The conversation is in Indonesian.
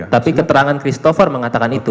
tapi keterangan christopher mengatakan itu